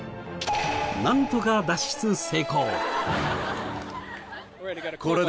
なんとか脱出成功！